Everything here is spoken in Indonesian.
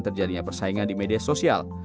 terjadinya persaingan di media sosial